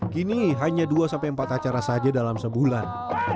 kini hanya dua empat acara saja dalam sebulan